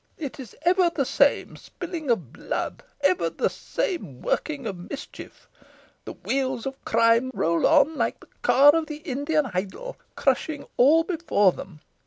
It is ever the same spilling of blood, ever the same working of mischief. The wheels Of crime roll on like the car of the Indian idol, crushing all before them.